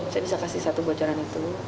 saya bisa kasih satu bocoran itu